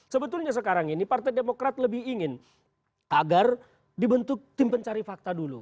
sebetulnya sekarang ini partai demokrat lebih ingin agar dibentuk tim pencari fakta dulu